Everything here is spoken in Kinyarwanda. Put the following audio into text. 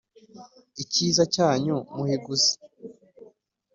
icyiza cyanyu muhiguzi